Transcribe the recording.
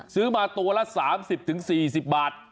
ซื้อมาตัวละ๓๐๔๐บาท